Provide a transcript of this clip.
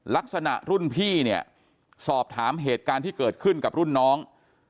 ลักษณะรุ่นพี่เนี่ยสอบถามเหตุการณ์ที่เกิดขึ้นกับรุ่นน้อง